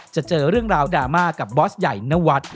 จะเจอเรื่องราวดราม่ากับบอสใหญ่นวัด